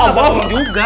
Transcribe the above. oh bangun juga